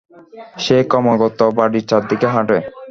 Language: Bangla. সে ক্রমাগত বাড়ির চারদিকে হাঁটে।